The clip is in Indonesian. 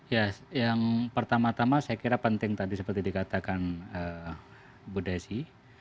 ya yang pertama tama saya kira penting tadi seperti dikatakan bu desi